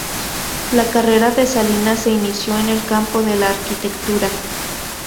La carrera de Salinas se inició en el campo de la arquitectura.